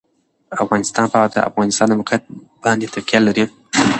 افغانستان په د افغانستان د موقعیت باندې تکیه لري.